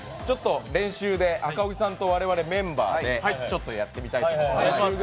練習で、赤荻さんと我々メンバーでやってみたいと思います。